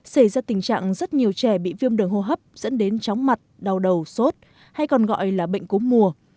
xảy ra tình trạng rất nhiều trẻ bị viêm đường hô hấp dẫn đến chóng mặt đau đầu sốt hay còn gọi là bệnh cúm mùa